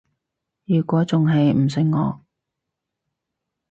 如果仲係唔信我